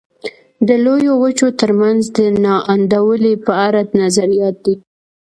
د لویو وچو ترمنځ د نا انډولۍ په اړه نظریات دي.